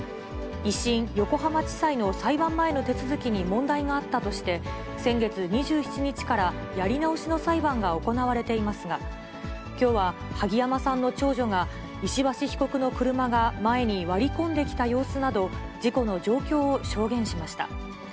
１審横浜地裁の裁判前の手続きに問題があったとして、先月２７日からやり直しの裁判が行われていますが、きょうは萩山さんの長女が、石橋被告の車が前に割り込んできた様子など、事故の状況を証言しました。